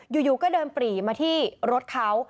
อยู่ก็เดินปรีมาที่รถเขา